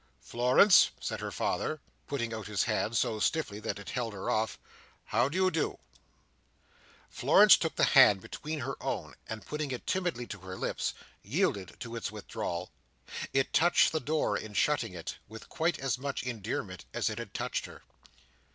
"Florence," said her father, putting out his hand: so stiffly that it held her off: "how do you do?" Florence took the hand between her own, and putting it timidly to her lips, yielded to its withdrawal. It touched the door in shutting it, with quite as much endearment as it had touched her.